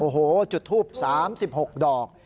โอ้โหจุดทูป๓๖ดอก